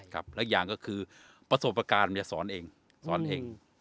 ครับและอีกอย่างก็คือประสบการณ์มันจะสอนเองสอนเอง